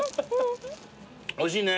おいしいね。